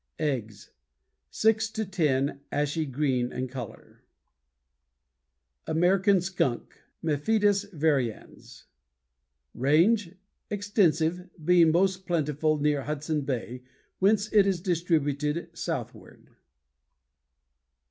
EGGS Six to ten, ashy green in color. Page 233. =AMERICAN SKUNK= Mephitis varians. RANGE Extensive, being most plentiful near Hudson Bay, whence it is distributed southward.